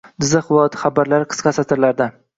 Jizzax viloyati xabarlari – qisqa satrlarda